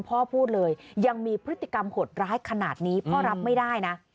พูดเลยยังมีพฤติกรรมหดร้ายขนาดนี้พ่อรับไม่ได้นะ